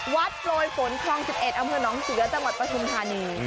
โปรยฝนคลอง๑๑อำเภอน้องเสือจังหวัดปฐุมธานี